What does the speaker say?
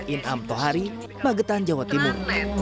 inham pohari magetan jawa timur